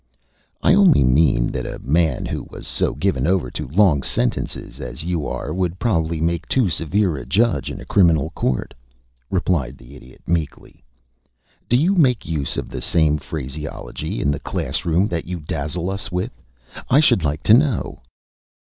"I only meant that a man who was so given over to long sentences as you are would probably make too severe a judge in a criminal court," replied the Idiot, meekly. "Do you make use of the same phraseology in the class room that you dazzle us with, I should like to know?"